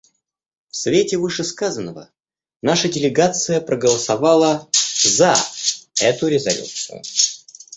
В свете вышесказанного наша делегация проголосовала за эту резолюцию.